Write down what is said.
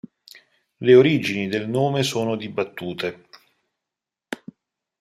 Le origini del nome sono dibattute.